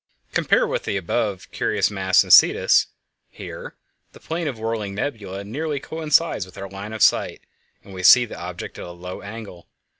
Compare with the above the curious mass in Cetus. Here the plane of the whirling nebula nearly coincides with our line of sight and we see the object at a low angle.